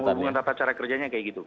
dalam mengatakan cara kerjanya seperti itu